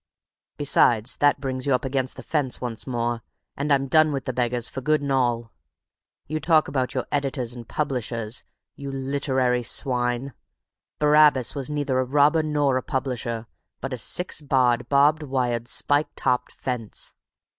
Besides, that brings you up against the Fence once more, and I'm done with the beggars for good and all. You talk about your editors and publishers, you literary swine. Barabbas was neither a robber nor a publisher, but a six barred, barbed wired, spike topped Fence.